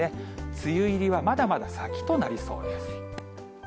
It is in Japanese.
梅雨入りはまだまだ先となりそうです。